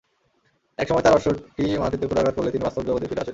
এক সময় তার অশ্বটি মাটিতে ক্ষুরাঘাত করলে তিনি বাস্তবজগতে ফিরে আসেন।